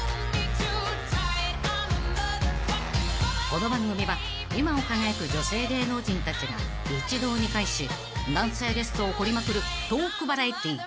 ［この番組は今を輝く女性芸能人たちが一堂に会し男性ゲストを掘りまくるトークバラエティー］